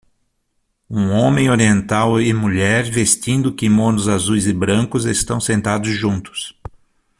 Um homem oriental e mulher vestindo quimonos azuis e brancos estão sentados juntos.